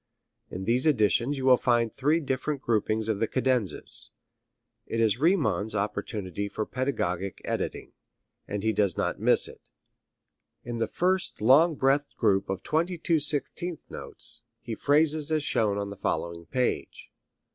In these editions you will find three different groupings of the cadenzas. It is Riemann's opportunity for pedagogic editing, and he does not miss it. In the first long breathed group of twenty two sixteenth notes he phrases as shown on the following page.